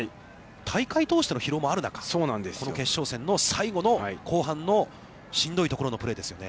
大会通しての疲労もある中、この決勝戦の最後の後半のしんどいところのプレーですよね。